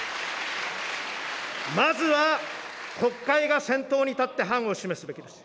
まずは、国会が先頭に立って範を示すべきです。